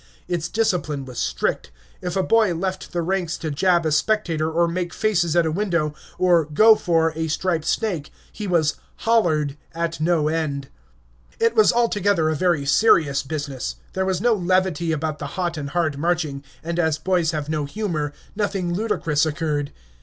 Its discipline was strict. If a boy left the ranks to jab a spectator, or make faces at a window, or "go for" a striped snake, he was "hollered" at no end. It was altogether a very serious business; there was no levity about the hot and hard marching, and as boys have no humor, nothing ludicrous occurred.